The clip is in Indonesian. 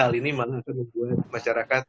hal ini malah akan membuat masyarakat